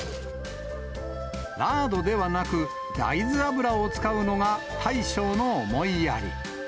ラードではなく、大豆油を使うのが大将の思いやり。